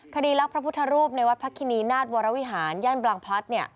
คดีรักพระพุทธรูปในวัดพระคินีนาฏวรวิหารย่านบางพลัด